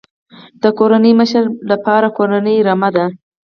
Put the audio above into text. د کورنۍ مشر لپاره کورنۍ رمه ده.